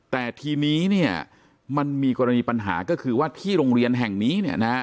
แต่ทีนี้เนี่ยมันมีกรณีปัญหาก็คือว่าที่โรงเรียนแห่งนี้